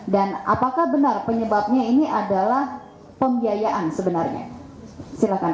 dan apakah benar penyebabnya ini adalah pembiayaan sebenarnya silahkan pak